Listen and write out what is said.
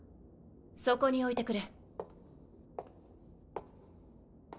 そこに置いてくれ。